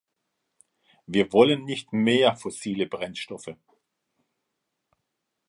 Wir wollen nicht mehr fossile Brennstoffe.